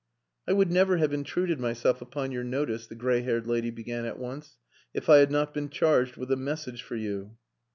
"I would never have intruded myself upon your notice," the grey haired lady began at once, "if I had not been charged with a message for you."